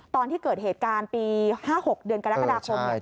ตอนที่เกิดเหตุการณ์ปี๕๖เดือนกรกฎาคม